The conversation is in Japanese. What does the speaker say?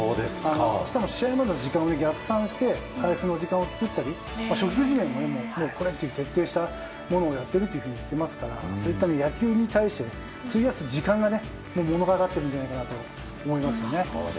しかも、試合までの時間を逆算して回復の時間を作ったり食事面も徹底したものをやっていると聞きますから野球に対して費やす時間が物語っているんじゃないかと思いますね。